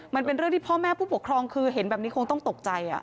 มันเป็นเรื่องที่พ่อแม่ผู้ปกครองคือเห็นแบบนี้คงต้องตกใจ